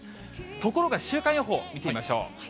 ところが週間予報見てみましょう。